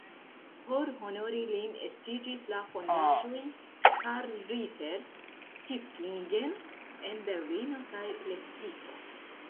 Por honori lin estiĝis la fondaĵoj "Karl Ritter-Stiftungen" en Berlino kaj Lepsiko.